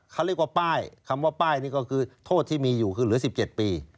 เขาเรียกว่าป้ายคำว่าป้ายนี่ก็คือโทษที่มีอยู่คือเหลือ๑๗ปี